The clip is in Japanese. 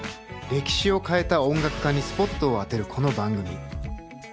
歴史を変えた音楽家にスポットを当てるこの番組。